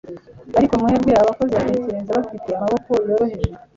Ariko mwebwe abakozi batekereza bafite amaboko yoroheje